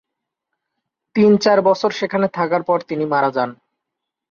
তিন-চার বছর সেখানে থাকার পরে তিনি মারা যান।